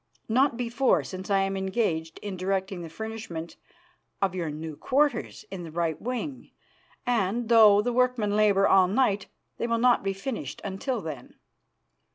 Not before, since I am engaged in directing the furnishment of your new quarters in the right wing, and, though the workmen labour all night, they will not be finished until then.